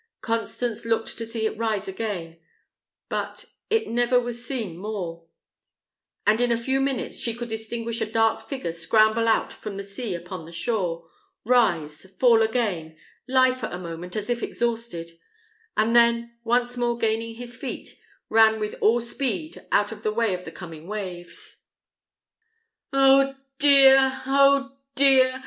Constance looked to see it rise again, but it never was seen more; and in a few minutes she could distinguish a dark figure scramble out from the sea upon the shore, rise, fall again, lie for a moment as if exhausted, and then, once more gaining his feet, run with all speed out of the way of the coming waves. "Oh dear! oh dear!"